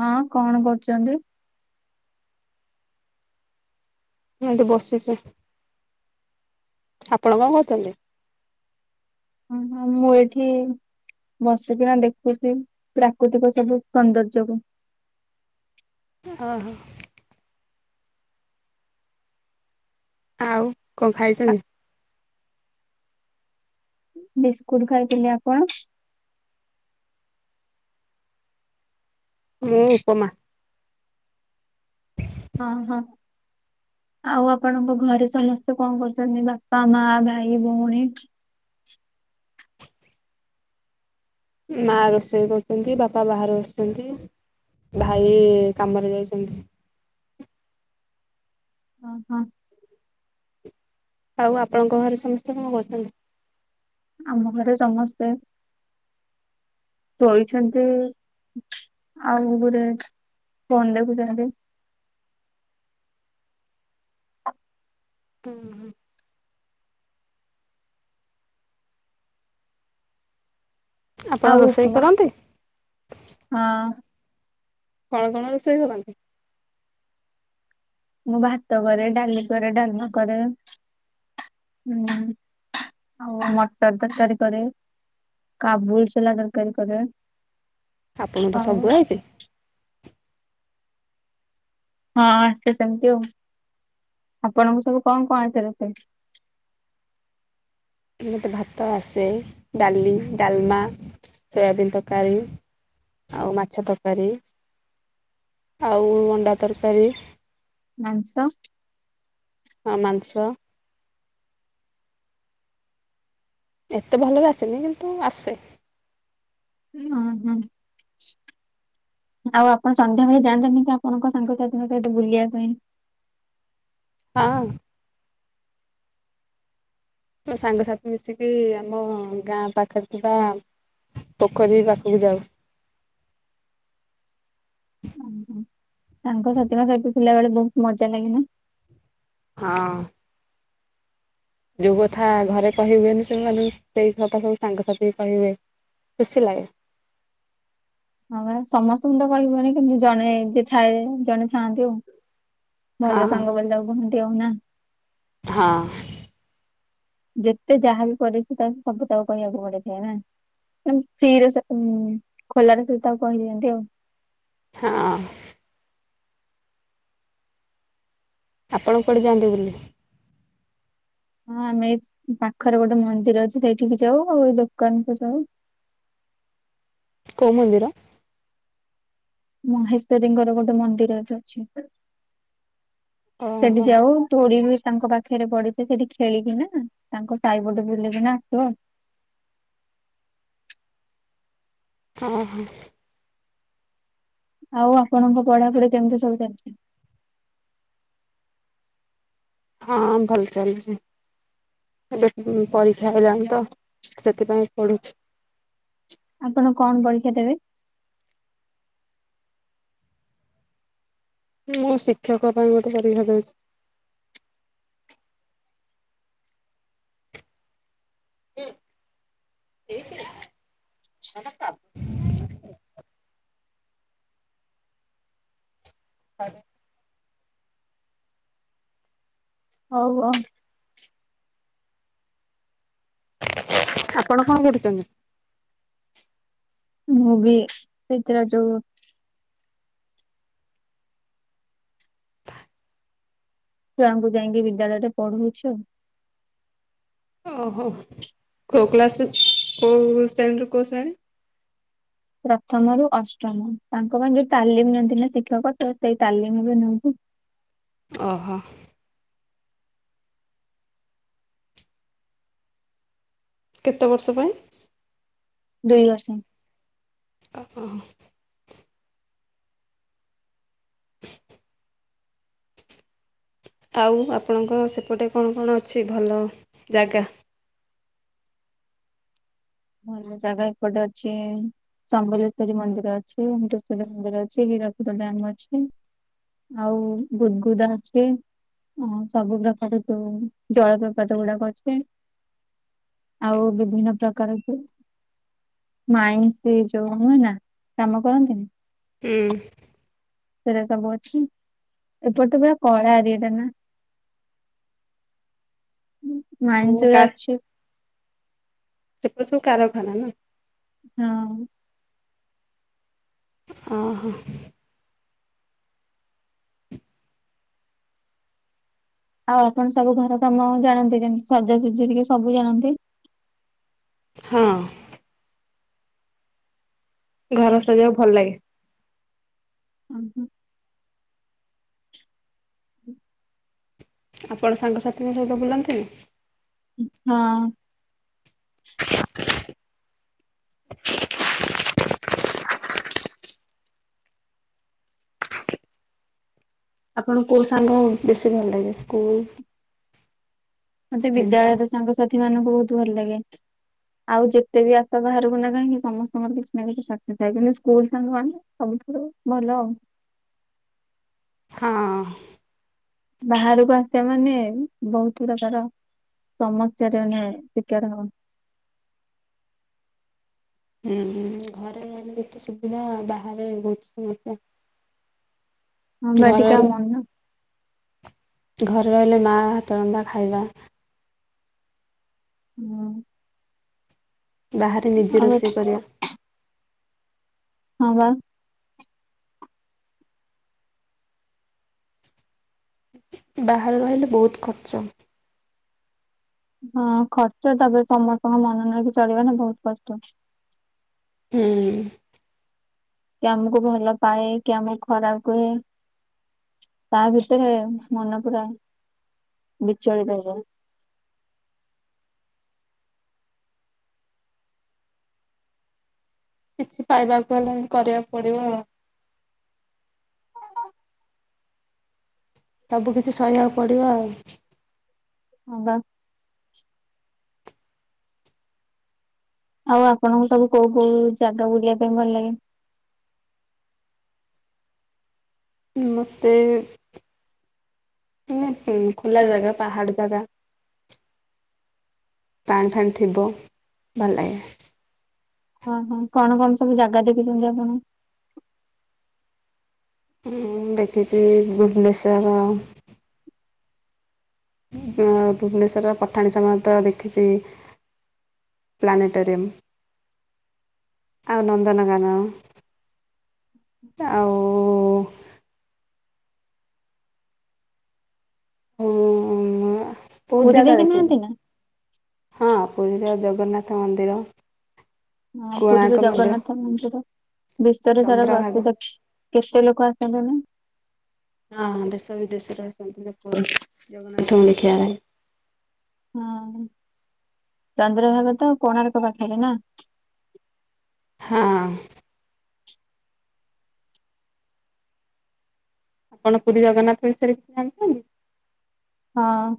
ହଁ କଣ କରୁଚନ୍ତି? ଏଠି ବସିଚି। ଆପଣ କଣ କହୁଚନ୍ତି? ହ ହଁ ମୁଁ ଏଇଠି ବସିକି ନା ଦେଖୁଚି ପ୍ରାକୃତିକ ସବୁ ସୌନ୍ଦର୍ଯ୍ୟ କୁ। ଓହୋ। ଆଉ କଣ ଆ, ଖାଇଚନ୍ତି? ବିସ୍କୁଟ ଖାଇଥିଲି। ଆପଣ? ମୁଁ ଉପମା। ହଁ ହଁ। ଆଉ ଆପଣଙ୍କ ଘରେ ସମସ୍ତେ କଣ କରୁଚନ୍ତି? ବାପା ମା ଭାଇ ଭଉଣୀ? ମା ରୋଷେଇ କରୁଚନ୍ତି ବାପା ବାହାରେ ବସିଚ। ନ୍ତି ଭାଇ କାମରେ ଯାଇଛନ୍ତି। ଓହୋ। ଆଉ ଆପଣଙ୍କ ଘରେ ସମସ୍ତେ କଣ କରୁଛନ୍ତି? ଆମ ଘରେ ସମସ୍ତେ ଶୋଇଛନ୍ତି ଆଉ ଗୁରେ ଫୋନ ଦେଖୁଛନ୍ତି। ହୁଁ ହୁଁ। ଆପଣ ଆଉ ରୋଷେଇ ଉପମା କରନ୍ତି? ହଁ। କଣ କଣ ରୋଷେଇ କରନ୍ତି? ମୁଁ ଭାତ କରେ ଡାଲି କରେ ଡାଲମା କରେ। [unintelligible] ହୁଁ ଆଉ ମଟର ତରକାରୀ କରେ। କାବୁଲ ସୋଲା ତରକାରୀ କରେ। ଆପଣଙ୍କୁ ତ ଆଉ ସବୁ ଆଇଛି। ହଁ ଆସେ ସେମିତି ଆଉ ଆପଣଙ୍କୁ ସବୁ କଣ କଣ ଆସେ ରୋଷେଇ? ମତେ ଭାତ ଆସେ ଡାଲି ଡାଲମା ସୋୟାବିନ ତକାରୀ। ଆଉ ମାଛ ତରକାରୀ ଆଉ ଅଣ୍ଡା ତରକାରୀ। ମାଂସ? ହଁ ମାଂସ। ଏତେ ଭଲରେ ଆସେନି କିନ୍ତୁ ଆସେ। ଉଁ ହୁଁ ହୁଁ। ଆଉ ଆପଣ ସନ୍ଧ୍ୟାବେଳେ ଯାଆନ୍ତି ନି କି ଆପଣଙ୍କ ସାଙ୍ଗସାଥି ଙ୍କ ସହିତ ବୁଲିଆ ପାଇଁ? ହଁ। ମୋ ସାଙ୍ଗସାଥି ମିଶିକି ଆମ ଗାଁ ପାଖରେ ଥିବା ପୋଖରୀ ର ପାଖକୁ ଯାଉ। ସାଙ୍ଗ ସାଥିଙ୍କ ସହିତ ଥିଲାବେଳେ ବହୁତ ମଜା ଲାଗେ ନା? ହଁ। ଯୋଉ କଥା ଘରେ କହି ହୁଏନି ସେମାନେଙ୍କୁ ସେଇ କଥା ସବୁ ସାଙ୍ଗସାଥି କୁ କହି ହୁଏ। ଖୁସି ଲାଗେ। ହଁ ବା ସମସ୍ତ ଙ୍କୁ ତ କହି ହବନି କିନ୍ତୁ ଜଣେ ଯିଏ ଥାଏ ଜଣେ ଥାଆନ୍ତି ଆଉ। ହଁ ଭଲ ସାଙ୍ଗ [inaudible] ହଁ। ଯେତେ ଯାହା ବି ପରିସ୍ଥିତି ଆସୁ ସବୁ ତାକୁ କହିବାକୁ ପଡିଥାଏ ନା। ଫ୍ରି ରେ ଉଁ ଖୋଲା ରେ ତାକୁ ସବୁ କହିଦିଅନ୍ତି ଆଉ। ହଁ। ଆପଣ କୁଆଡେ ଯାଆନ୍ତି ବୁଲି? ହଁ ଆମେ ଏ ପାଖରେ ଗୋଟେ ମନ୍ଦିର ଅଛି ସେଇଠିକି ଯାଉ ଆଉ ଏ ଦୋକାନ କୁ ଯାଉ। କେଉ ମନ୍ଦିର? ମହେଶ୍ଵରୀଙ୍କର ଗୋଟେ ମନ୍ଦିର ଏଠି ଅଛି। ସେଠ ଓହୋ ଯାଉ ପୁରି ତାଙ୍କ ପାଖରେ ପଡିଛ ସେଠି ଖେଳିକି ନା ତାଙ୍କ ସାହିପଟେ ବୁଲିକିନା ଆସିବ। ଓହୋ। ଆଉ ଆପଣଙ୍କ ପଢା ପଢି କେମିତି ସବୁ ଚାଲିଛି? ହଁ ଭଲ ଚାଲିଛି। ଏବେ କୁ ପରୀକ୍ଷା ଆଇଲାଣି ତ ସେଥିପାଇଁ ପଢୁଛି। ଆପଣ କଣ ପରୀକ୍ଷା ଦେବେ? ମୁଁ ଶିକ୍ଷକ ପାଇଁ ଗୋଟେ ପରୀକ୍ଷା ଦଉଚି। [unintelligible] ହରେ ହଉ ହଉ। ଆପଣ କଣ ପଢ଼ୁଚନ୍ତି? ମୁଁ ବି ସେଇଥିର ଯୋଉ ଛୁଆଙ୍କୁ ଯାଇକି ବିଦ୍ୟାଳୟ ରେ ପଢଉଚୁ। ଓହୋ କୋଉ କ୍ଲାସରେ କୋଉ ଶ୍ରେଣୀ ରୁ କୋଉ ଶ୍ରେଣୀ? ପ୍ରଥମରୁୁ ଅଷ୍ଟମ ତାଙ୍କ ପାଇଁ ଯୋଉ ତାଲିମ ନିଅନ୍ତି ନା ଶିକ୍ଷକ ତ ସେଇ ତାଲିମରେ ନିଅନ୍ତି। ଓହୋ। କେତେ ବର୍ଷ ପାଇଁ? ଦୁଇ ବର୍ଷ। ଓ ହ। ଆଉ ଆପଣଙ୍କ ସେପଟେ କଣ କଣ ଅଛି ଭଲ ଜାଗା? ଭଲ ଜାଗା ଏପଟେ ଅଛି ସମ୍ବଲେଶ୍ୱରୀ ମନ୍ଦିର ଅଛି ହିର ଚୋରା ମନ୍ଦିର ଅଛି ହୀରାକୁଦ ଡାମ ଅଛି। ଆଉ ଗୁଦ ଗୁଦା ଅଛି। ହ ସବୁ ପ୍ରକାର ଯୋଉ ଜଳପ୍ରପାତ ଗୁଡାକ ଅଛି। ଆଉ ବିଭିନ୍ନ ପ୍ରକାର ମାଇନସ୍ ରେ ଯୋଉ ନୁହେ ନା କାମ କରନ୍ତିନି? ହୁଁ। ସେଟା ସବୁ ଅଛି ଏପଟ ତ ପୁରା କଳା ଏରିଆଟା ନା। ମାଇନ୍ସରେ ଅଛି। ସେପଟ ସବୁ କାରଖାନା ନା? ହଁ। ଅ ହଁ। ଆଉ ଆପଣ ସବୁ ଘର କାମ ଜାଣନ୍ତି ଯେମତି ସଜାସଜି ହରିକା ସବୁ ଜାଣନ୍ତି? ହଁ। ଘର ହୁଁ ହୁଁ ସଜେଇବାକୁ ଭଲ ଲାଗେ। ହୁଁ ହୁଁ। ହୁଁ। ଆପଣ ସାଙ୍ଗସାଥିଙ୍କ ସହିତ ବୁଲନ୍ତିନି? ହୁଁ ନା। ଆପଣଙ୍କୁ କୋଉ ସାଙ୍ଗ ବେଶୀ ଭଲ ଲାଗେ ସ୍କୁଲ? ମତେ ବିଦ୍ୟାଳୟ? ବିଦ୍ୟାଳୟରେ ସାଙ୍ଗସାଥି ମାନଙ୍କୁ ବହୁତ ଭଲ ଲାଗେ। ଆଉ ଯେତେ ବି ଆସିଥା ବାହାରକୁ ନା କାହିଁକି ସମସ୍ତଙ୍କର କିଛି ନା କିଛି ସ୍ବାର୍ଥ କିନ୍ତୁ ସ୍କୁଲ ସାଙ୍ଗ ମାନେ ସବୁଠାରୁ ଭଲ ଆଉ। ହଁ। ବାହାରକୁ ଆସିବା ମାନେ ବହୁତ ପ୍ରକାର ସମସ୍ୟାରେ ମାନେ ଶିକାର ହ ହୁଁ ଘରେ ରହିଲେ କେତେ ସୁବିଧା ବାହାରେ ବହୁତ ସମସ୍ୟା। ହଁ ବା ଘରେ ଏଥିକା ରହିଲେ ମନ ଘରେ ରହିଲେ ମାଆ ହାତରନ୍ଧା ଖାଇବା। ହଁ, ବାହାରେ ନିଜେ ଆଉ ଏ ରୋଷେଇ କରିବା। ହଁ ବା, ବାହାରେ ରହିଲେ ବହୁତ ଖର୍ଚ୍ଚ। ହଁ, ଖର୍ଚ୍ଚ ତାପରେ ସମସ୍ତଙ୍କ ମନ ନେଇକି ଚଳିବ ନା ବହୁତ କଷ୍ଟ। ହୁଁ, କିଏ ଆମକୁ ଭଲ ପାଏ କିଏ ଆମକୁ ଖରାପ କୁହେ। ତା ଭିତରେ ମନ ପୁରା ବିଚଳିତ ହେଇଯାଏ। କିଛି ପାଇବାକୁ ହେଲେ ହି କରିବାକୁ ପଡିବ ଆଉ। ସବୁ କିିଛି ସହିବାକୁ ପଡିବ ଆଉ। ହଁ ବା, ଆଉ ଆପଣଙ୍କୁ ସବୁ କୋଉ କୋଉ ଜାଗା ବୁଲିବା ପାଇଁ ଭଲ ଲାଗେ? ମତେ ମାନେ ଖୋଲା ଜାଗା ପାହାଡ ଜାଗା। ପାଣି ଫାଣୀ ଥିବ ଭଲ ଲାଗେ। ଓହୋ କଣ କଣ ସବୁ ଜାଗା ଦେଖୁଛନ୍ତି ଆପଣ? ମୁଁ ଦେଖିଛି ଭୁବନେଶର ଭୁବନେଶ୍ଵର ପଠାଣି ସାମନ୍ତ ଦେଖିଛି। ପ୍ଲାନେଟୋରିୟମ୍। ଆଉ ନନ୍ଦନକାନନ ଆଉ ମୁଁ ବହୁତ ପୁରୀ ଜାଗା ଦେଖିନାହାନ୍ତି ଦେଖିଛି। ନା? ହଁ, ପୁରୀର ଜଗନ୍ନାଥ ମନ୍ଦିର ହଁ କୋଣାର୍କ ପୁରୀର ମନ୍ଦିର ଜଗନ୍ନାଥ ମନ୍ଦିର ବିଶ୍ଵରେ ସାରା ଚନ୍ଦ୍ରଭାଗା ପ୍ରସିଦ୍ଧ କେତେ ଲୋକ ଆସନ୍ତି ନା? ହଁ ଦେଶ ବିଦେଶରେ ଆସନ୍ତି ଲୋକ ଜଗନ୍ନାଥଙ୍କୁ ଦେଖିବା ପାଇଁ। ହଁ ଚନ୍ଦ୍ରଭାଗ ତ କୋଣାର୍କ ପାଖରେ ନା? ହଁ, ଆପଣ ପୁରୀ ଜଗନ୍ନାଥ ବିଷୟରେ କିଛି ଜାଣିଛନ୍ତି? ହଁ,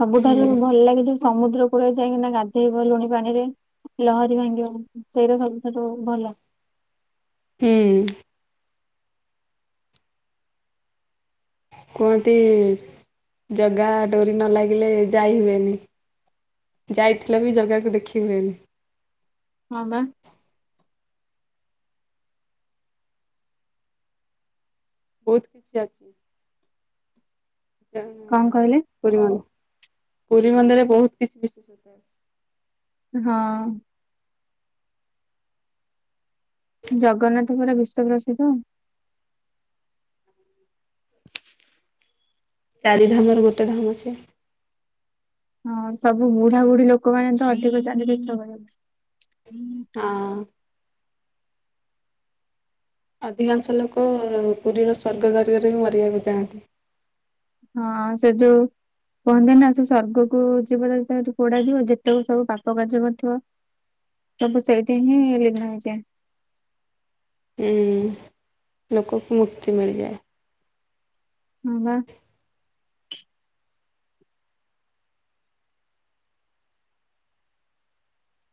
ସବୁଠାରୁ ହୁଁ ଭଲ ଲାଗେ କି ସମୁଦ୍ରକୁ କୁଳରେ ଯାଇକିନା ଗାଧେଇବ ଲୁଣି ପାଣିରେ ଲହରୀ ଭାଙ୍ଗିବ ସେଇଟା ସବୁଠାରୁୁ ଭଲ ହୁଁ, କୁହନ୍ତି ଜଗା ଡୋରି ନ ଲାଗିଲେ ଯାଇ ହଏନି। ଯାଇଥିଲ ବି ଜଗାକୁ ଦେଖିହୁଏନି। ହଁ ବା, ବହୁତ କିଛି ଅଛି। କଣ କହିଲେ? ପୁରୀନ୍ଦି ପୁରୀ ମନ୍ଦିରରେ ବହୁତ କିଛି ବିଶେଷ ହଁ ଜଗନ୍ନାଥ ପୁରା ବିଶ୍ଵ ପ୍ରସିଦ୍ଧ ଚାରି ଧାମ ରୁ ଗୋଟେ ଧାମ ସେ ହଁ ସବୁ ବୁଢାବୁଢୀ ଲୋକମାନୋନେ ତ ଅଧିକ ଯାଆନ୍ତି ଦେଖିବା କରି ହଁ ଅଧିକାଂଶ ଲୋକ ପୁରୀର ସ୍ୱର୍ଗ ଦ୍ୱାରା ରେ ହିଁ ମରିବାକୁ ଯାଆନ୍ତି ହଁ ସେଠୁ କହନ୍ତି ନା ସ ସ୍ୱର୍ଗକୁ ଯିବ କୋଡା ଯିବ ଯେତେ ସବୁ ପାପ କାର୍ଯ୍ୟ କରିଥିବ ସବୁ ସେଇଠି ହିଁ ଲିମ୍ନ ହେଇଯାଏ। ହୁଁ ଲୋକଙ୍କୁ ମୁକ୍ତି ମିଳିଯାଏ। ହୁଁ ବା।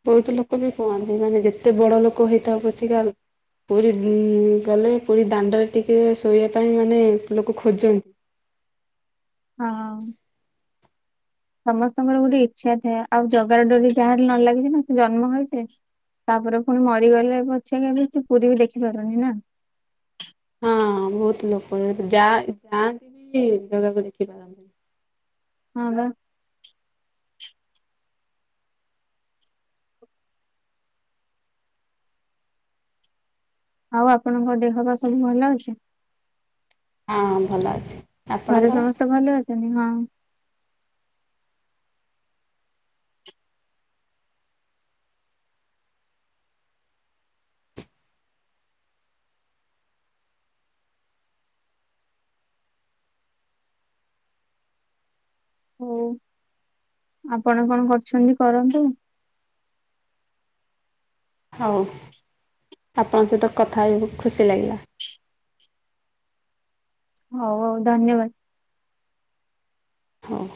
ବହୁତ ଲୋକ ବି କୁହନ୍ତି ମାନେ ଯେତେ ବଡ ଲୋକ ହେଇଥାଉ ପଛିିକା ପୁରୀ ଗଲେ ପୁରୀ ଦାଣ୍ଡରେ ଟିକେ ଶୋଇବା ପାଇଁ ମାନେ ଲୋକ ଖୋଜ ହଁ। ସମସ୍ତଙ୍କର ଗୋଟେ ଇଚ୍ଛା ଥାଏ ଆଉ ଜଗାର ଡରି ଯାହାରି ନ ଲାଗିଛି ନା ସେ ଜନ୍ମ ହେଇଚି। ତାପରେ ପୁଣି ମରିଗଲେ ପଛକେ କିଛି ପୁରୀ ବି ଦେଖିପାରୁନି ନା। ହଁ ବହୁତ ଲୋକ ଯା ଯାଆନ୍ତି ବି ଜାଗାକୁ ଦେଖିପାରନ୍ତି। ହଁ ବା। ଆଉ ଆପଣଙ୍କ ଦେହ ବା ସବୁ ଭଲ ଅଛି? ହଁ ଭଲ ଅଛି। ଘରେ ଆପଣଙ୍କର ସମସ୍ତେ ଭଲ ଅସଛନ୍ତି? ହିଁ। ହଉ ଆପଣ କଣ କରୁଛନ୍ତି କରନ୍ତୁ। ହଉ ଆପଣଙ୍କ ସହିତ କଥା ହେଇକି ଖୁସି ଲାଗିଲା। ହଉ ହଉ ଧନ୍ୟବାଦ। ହଉ।